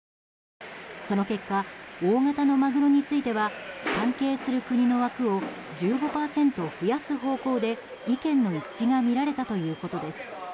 その結果大型のマグロについては関係する国の枠を１５％増やす方向で意見の一致が見られたということです。